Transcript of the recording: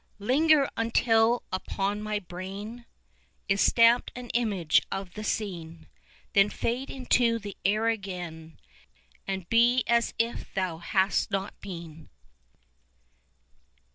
40 Linger until upon my brain Is stamped an image of the scene, Then fade into the air again, And be as if thou hadst not been.